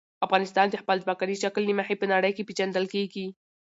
افغانستان د خپل ځمکني شکل له مخې په نړۍ کې پېژندل کېږي.